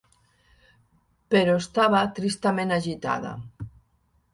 Però estava tristament agitada.